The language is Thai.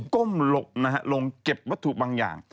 ก้มหลบนะฮะลงเก็บวัตถุบางอย่าง